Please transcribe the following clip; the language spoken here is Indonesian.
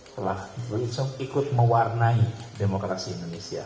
telah ikut mewarnai demokrasi indonesia